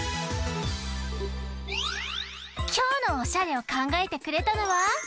きょうのおしゃれをかんがえてくれたのはゆりほちゃん。